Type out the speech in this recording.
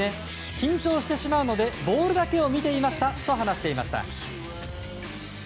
緊張してしまうのでボールだけを見ていましたと話していました。